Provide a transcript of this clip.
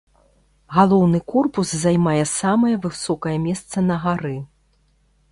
Галоўны корпус займае самае высокае месца на гары.